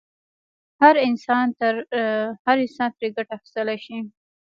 هر انسان ترې ګټه اخیستلای شي.